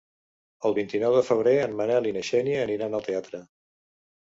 El vint-i-nou de febrer en Manel i na Xènia aniran al teatre.